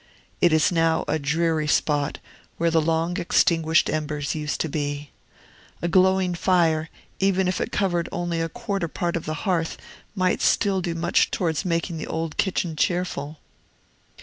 It is now a dreary spot where the long extinguished embers used to be. A glowing fire, even if it covered only a quarter part of the hearth, might still do much towards making the old kitchen cheerful.